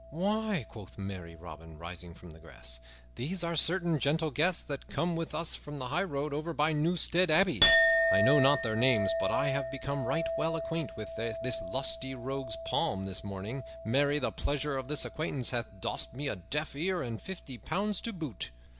"Why," quoth merry Robin, rising from the grass, "these are certain gentle guests that came with us from the highroad over by Newstead Abbey. I know not their names, but I have become right well acquaint with this lusty rogue's palm this morning. Marry, the pleasure of this acquaintance hath dost me a deaf ear and fifty pounds to boot!"